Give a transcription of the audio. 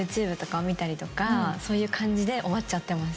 そういう感じで終わっちゃってます。